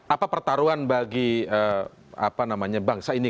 apa pertaruhan bagi bangsa ini